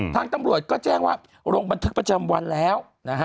ทางตำรวจก็แจ้งว่าลงบันทึกประจำวันแล้วนะฮะ